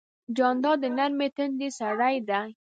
جانداد د نرمې تندې سړی دی.